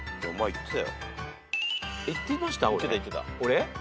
行ってた。